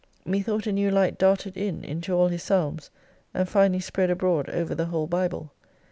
Methought a new light darted in into a'l his psalms, and finally spread abroad over the whole Bible.